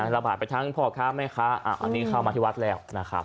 ระบาดไปทั้งพ่อค้าแม่ค้าอันนี้เข้ามาที่วัดแล้วนะครับ